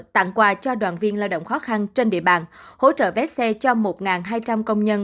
tặng quà cho đoàn viên lao động khó khăn trên địa bàn hỗ trợ vé xe cho một hai trăm linh công nhân